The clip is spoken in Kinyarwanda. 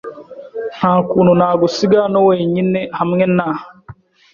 Nta kuntu nagusiga hano wenyine hamwe na .